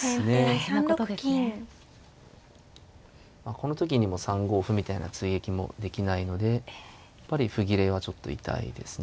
この時にも３五歩みたいな追撃もできないのでやっぱり歩切れはちょっと痛いですね。